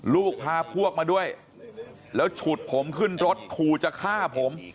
ลูกพาพวกมาด้วยแล้วฉุดผมขึ้นรถขู่จะฆ่าผม